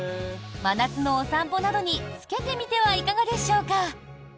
真夏のお散歩などにつけてみてはいかがでしょうか。